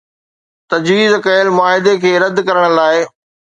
تجويز ڪيل معاهدي کي رد ڪرڻ لاء